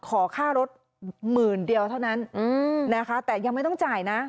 ขอค่ารถหมื่นเดียวเท่านั้นนะคะแต่ยังไม่ต้องจ่ายนะ